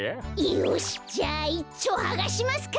よしじゃいっちょはがしますか。